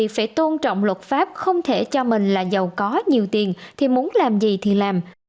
phải tôn trọng luật pháp không thể cho mình là giàu có nhiều tiền thì muốn làm gì thì làm